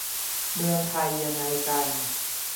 เมืองไทยยังไงกัน